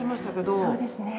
そうですね。